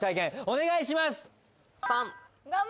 お願いします